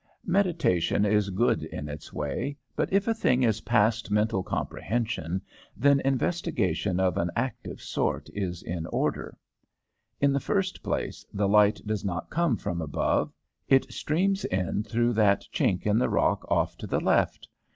'Meditation is good in its way, but if a thing is past mental comprehension, then investigation of an active sort is in order. In the first place, the light does not come from above; it streams in through that chink in the rock off to the left.